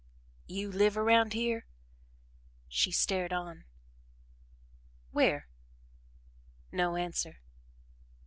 "You live around here?" She stared on. "Where?" No answer.